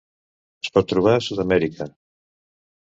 Es pot trobar a Sud-amèrica.